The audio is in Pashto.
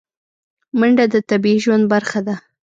منډه د طبیعي ژوند برخه ده